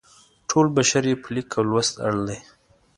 ټول بشر یې په لیک او لوست اړ دی.